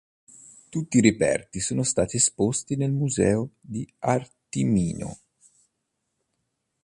Tutti i reperti sono stati esposti nel Museo di Artimino.